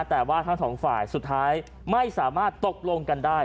แต่ว่าทั้งสองฝ่ายสุดท้ายไม่สามารถตกลงกันได้